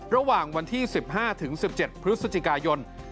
ระหว่างวันที่๑๕๑๗พฤศจิกายน